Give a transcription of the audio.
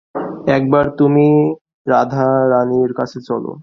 একবার তুমি রাধারানীর কাছে চলো।